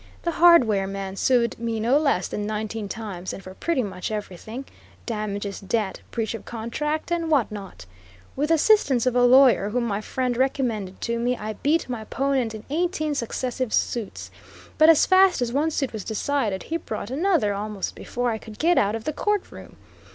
The hardware man sued me no less than nineteen times, and for pretty much everything damages, debt, breach of contract, and what not. With the assistance of a lawyer whom my friend recommended to me, I beat my opponent in eighteen successive suits; but as fast as one suit was decided he brought another, almost before I could get out of the court room.